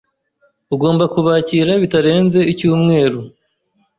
Ugomba kubakira bitarenze icyumweru.